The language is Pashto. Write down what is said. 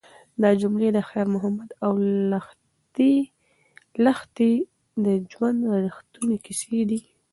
دا جملې د خیر محمد او لښتې د ژوند رښتونې کیسې دي.